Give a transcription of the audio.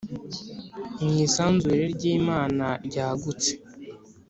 mu isanzure ry'imana ryagutse